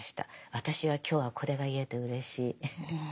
私は今日はこれが言えてうれしい。